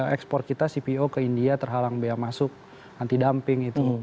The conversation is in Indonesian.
ekspor kita cpo ke india terhalang bea masuk anti dumping itu